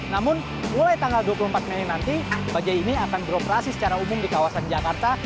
namun mulai tanggal dua puluh empat mei nanti bajaj ini akan beroperasi secara umum di kawasan jakarta